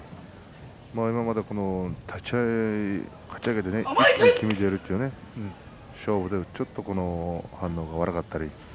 今まで立ち合い、かち上げで一気にきめているという勝負に出る反応が悪かったり。